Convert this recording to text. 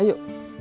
nah turn dong